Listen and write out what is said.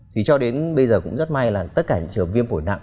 thì cho đến bây giờ cũng rất may là tất cả những trường hợp viêm phổi nặng